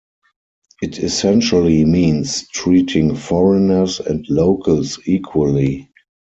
It essentially means treating foreigners and locals equally.